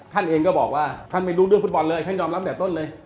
ท่านเองก็บอกว่าท่านไม่รู้เรื่องฟุตบอลเลยท่านยอมรับแต่ต้นเลย